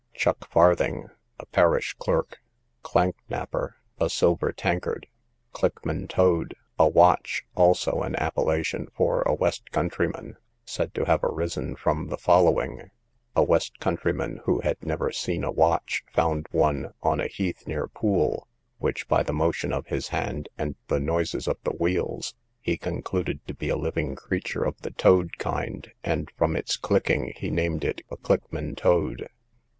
Chuck farthing, a parish clerk. Clank napper, a silver tankard. Clickman Toad, a watch; also, an appellation for a west countryman, said to have arisen from the following—a westcountryman, who had never seen a watch, found one on a heath near Pool, which, by the motion of the hand, and the noise of the wheels, he concluded to be a living creature of the toad kind; and, from its clicking, he named it a clickman toad.